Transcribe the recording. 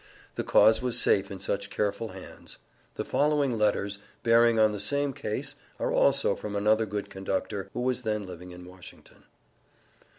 The cause was safe in such careful hands. The following letters, bearing on the same case, are also from another good conductor, who was then living in Washington.